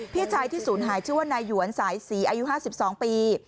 พี่ชายที่ศูนย์หายชื่อว่านายหวนสายศรีอายุ๕๒ปี